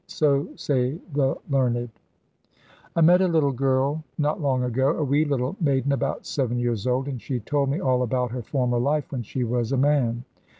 So say the learned. I met a little girl not long ago, a wee little maiden about seven years old, and she told me all about her former life when she was a man.